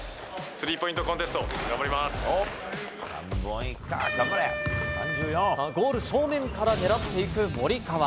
スリーポイントコンテスト、さあ、ゴール正面から狙っていく森川。